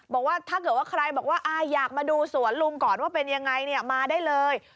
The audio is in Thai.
บอกว่าถ้าเกิดว่าใครบอกว่าอยากมาดูสวนลุงก่อนว่าเป็นยังไงมาได้เลย